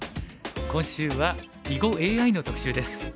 今週は囲碁ＡＩの特集です。